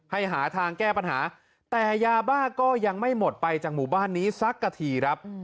หาทางแก้ปัญหาแต่ยาบ้าก็ยังไม่หมดไปจากหมู่บ้านนี้สักกะทีครับ